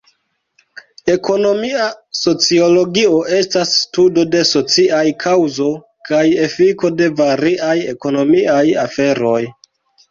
Ekonomia sociologio estas studo de sociaj kaŭzo kaj efiko de variaj ekonomiaj aferoj.